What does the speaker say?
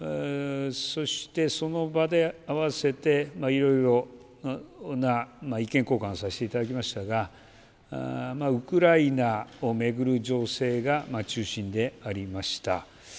そして、その場で併せて、いろいろな意見交換させていただきましたが、ウクライナを巡る情勢が中心でありました。